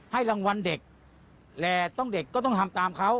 ให้รางวัลเด็กและต้องเด็กก็ต้องทำตามเขา